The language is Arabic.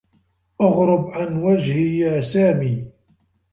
اغرب عن وجهي يا سامي.